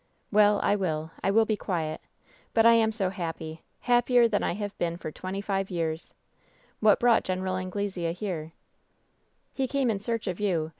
"Well, I will. I will be quiet. But I am so happy — happier than I have been for twenty five years 1 What brought Gen. Anglesea here ?" "He came in search of you.